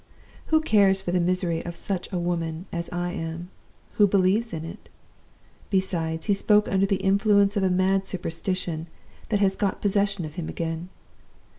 Who cares for the misery of such a woman as I am? who believes in it? Besides, he spoke under the influence of a mad superstition that has got possession of him again.